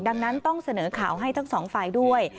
ดังนั้นต้องเสนอข่าวให้ทั้งสองฝ่ายด้วย